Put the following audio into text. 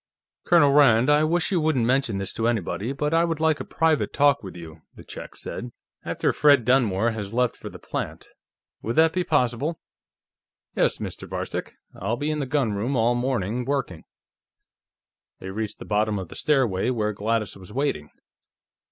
"Colonel Rand, I wish you wouldn't mention this to anybody, but I would like a private talk with you," the Czech said. "After Fred Dunmore has left for the plant. Would that be possible?" "Yes, Mr. Varcek; I'll be in the gunroom all morning, working." They reached the bottom of the stairway, where Gladys was waiting.